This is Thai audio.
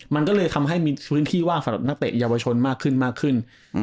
มันก็เลยทำให้มีพื้นที่ว่างสำหรับนักเตะเยาวชนมากขึ้นมากขึ้น